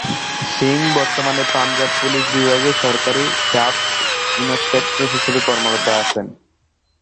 সিং বর্তমানে পাঞ্জাব পুলিশ বিভাগে সহকারী সাব ইন্সপেক্টর হিসাবে কর্মরত আছেন।